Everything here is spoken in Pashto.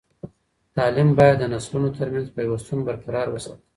تعلیم باید د نسلونو ترمنځ پیوستون برقرار وساتي.